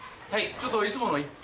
ちょっといつものいい？